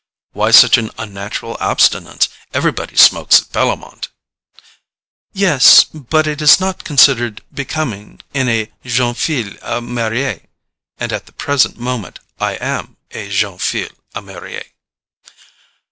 "Why such unnatural abstinence? Everybody smokes at Bellomont." "Yes—but it is not considered becoming in a JEUNE FILLE A MARIER; and at the present moment I am a JEUNE FILLE A MARIER."